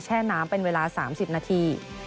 แช่น้ำเป็นเวลา๓๐นาที